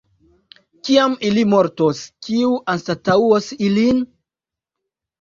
Kiam ili mortos, kiu anstataŭos ilin?